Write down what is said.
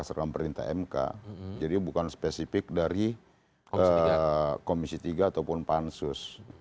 berdasarkan perintah mk jadi bukan spesifik dari komisi tiga ataupun pansus